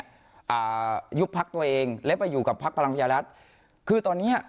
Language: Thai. อ่าอยู่ภักรบเองและไปอยู่กับภักรพรัมพญารัฐ